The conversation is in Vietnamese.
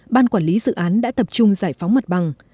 ban quản lý dự án đã tập trung giải phóng mặt bằng